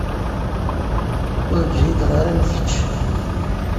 Ur ǧhideɣ ara am kečč.